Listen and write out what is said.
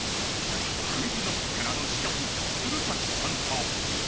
ＱｕｉｚＫｎｏｃｋ からの刺客鶴崎さんと